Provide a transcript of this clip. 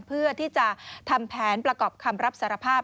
เพื่อที่จะทำแผนประกอบคำรับสารภาพ